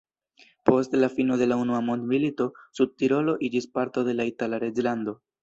Post la fino de la unua mondmilito Sudtirolo iĝis parto de la Itala reĝlando.